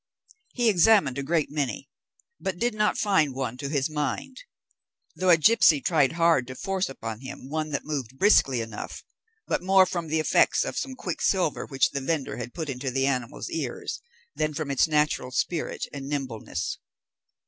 He examined a great many, but did not find one to his mind; though a gipsy tried hard to force upon him one that moved briskly enough, but more from the effects of some quicksilver which the vendor had put into the animal's ears, than from its natural spirit and nimbleness.